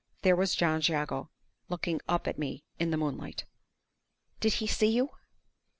There was John Jago looking up at me in the moonlight!" "Did he see you?"